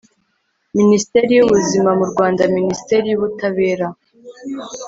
minisiteri y'ubuzima mu rwanda minisiteri y'ubutabera